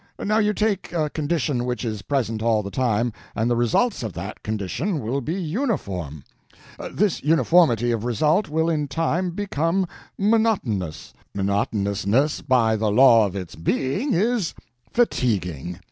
Now you take a condition which is present all the time, and the results of that condition will be uniform; this uniformity of result will in time become monotonous; monotonousness, by the law of its being, is fatiguing.